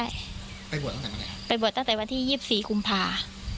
ไปบวชตั้งแต่เมื่อไหนไปบวชตั้งแต่วันที่๒๔กุมภาพันธ์